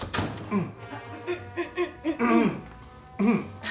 うん？